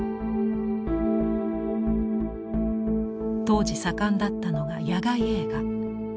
当時盛んだったのが野外映画。